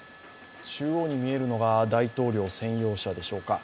中央に見えるのが大統領専用車でしょうか。